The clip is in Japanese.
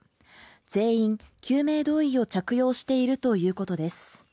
全員、救命胴衣を着用しているということです。